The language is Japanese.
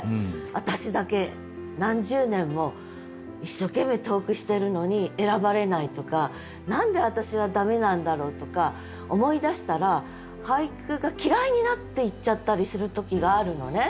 私だけ何十年も一生懸命投句してるのに選ばれないとか何で私はダメなんだろうとか思いだしたら俳句が嫌いになっていっちゃったりする時があるのね。